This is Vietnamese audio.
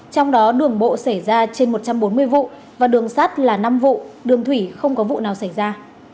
trong đó đường bộ xảy ra trên một trăm bốn mươi vụ và đường sắt là năm vụ đường thủy không có vụ nào xảy ra